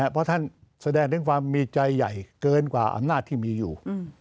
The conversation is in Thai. เพราะท่านแสดงถึงความมีใจใหญ่เกินกว่าอำนาจที่มีอยู่